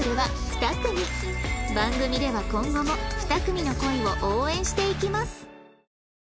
番組では今後も２組の恋を応援していきます